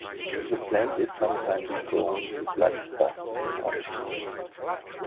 The plant is sometimes prone to blackspot in autumn.